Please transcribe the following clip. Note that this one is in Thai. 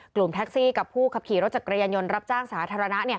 กลุ่มแท็กซี่กับผู้ขับขี่รถจักรยานยนต์รับจ้างสาธารณะ